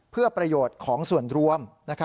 เพื่อประโยชน์ของส่วนรวม